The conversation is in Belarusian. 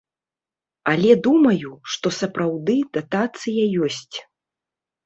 Але думаю, што сапраўды датацыя ёсць.